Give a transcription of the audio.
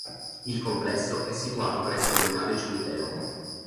Il complesso è situato presso il locale cimitero.